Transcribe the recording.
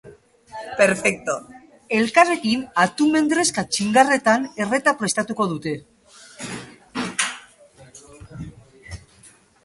Elkarrekin, atun mendrezka txingarretan erreta prestatuko dute.